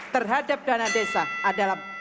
terhadap dana desa adalah